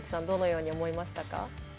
どのように思いましたか？